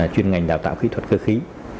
chuyên ngành đào tạo khí thuật cơ khí